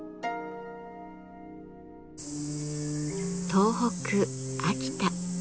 東北・秋田。